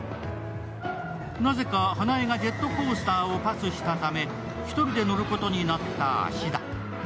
なぜか花枝がジェットコースターをパスしたため１人で乗ることになった芦田。